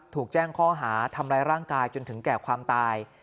ถูกแจ้งข้อหาทำร้ายร่างกายจนถึงแก่ความตาย